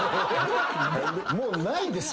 もうないですよ